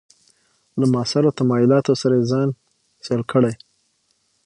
له معاصرو تمایلاتو سره ځان سیال کړي.